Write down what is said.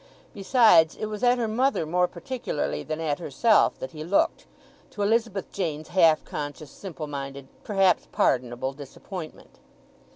Besides, it was at her mother more particularly than at herself that he looked, to Elizabeth Jane's half conscious, simple minded, perhaps pardonable, disappointment.